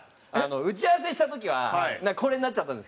打ち合わせした時はこれになっちゃったんですけど。